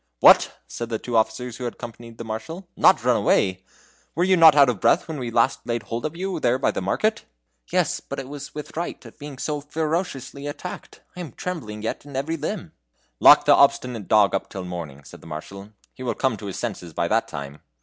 "What!" said the two officers who had accompanied the Marshal "not run away? Were you not out of breath when at last we laid hold of you there by the market?" "Yes, but it was with fright at being so ferociously attacked. I am trembling yet in every limb." "Lock the obstinate dog up till the morning," said the Marshal; "he will come to his senses by that time!"